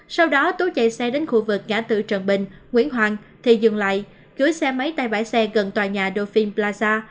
sau đó tú chạy xe đến khu vực ngã tự trần bình nguyễn hoàng thì dừng lại cửa xe máy tại bãi xe gần tòa nhà dolphin plaza